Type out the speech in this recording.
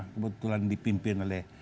kebetulan dipimpin oleh